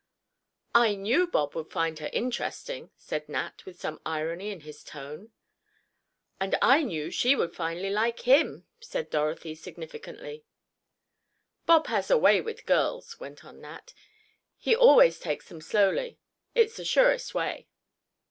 "I knew Bob would find her interesting," said Nat, with some irony in his tone. "And I knew she would finally like him," said Dorothy, significantly. "Bob has a way with girls," went on Nat, "he always takes them slowly—it's the surest way."